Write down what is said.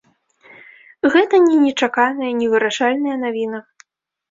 Гэта ні нечаканая, ні вырашальная навіна.